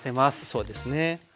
そうですね。